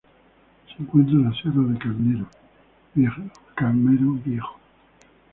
Se encuentra en la sierra de Camero Viejo.